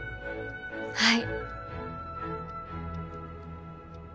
はい。